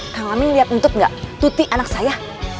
kang laming liat untuk gak tuti anak saya